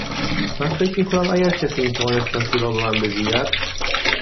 من فکر می کنم اگر کسی می توانست مسیر را به من بگوید.